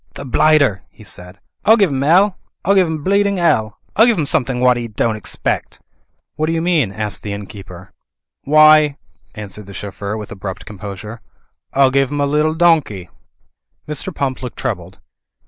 "The blighter !" he said, "I'll give 'im 'ell. I'll give 'im bleeding 'ell. I'll give 'im somethink wot 'e don't expect." "What do you mean?" asked the inn^k^e^^PS'^ 174 THE FLYING INN "Why," answered the chauffeur, with abrupt com posure, "I'll give 'im a little domkey." Mr. Pump looked troubled.